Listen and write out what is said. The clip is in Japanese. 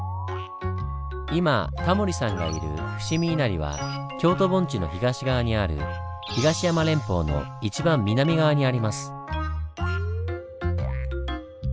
今タモリさんがいる伏見稲荷は京都盆地の東側にある東山連峰の一番南側にあります。